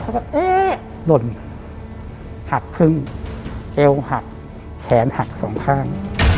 ว่าเอ๊ะหล่นหักครึ่งเอวหักแขนหักสองข้าง